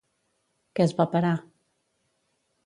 Què es va parar?